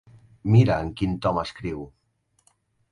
Mira en quin to m'escriu!